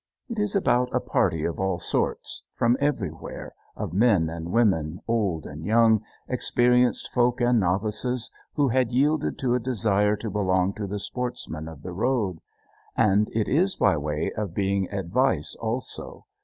It is about a party of all sorts, from everywhere, of men and women, old and young, experienced folk and novices, who had yielded to a desire to belong to the sportsmen of the road. And it is by way of being advice also.